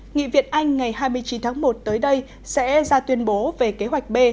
nghị viện anh ngày hai mươi chín tháng một tới đây sẽ ra tuyên bố về kế hoạch b